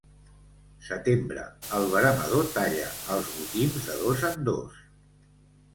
Setembre, el veremador talla els gotims de dos en dos.